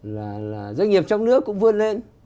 là doanh nghiệp trong nước cũng vươn lên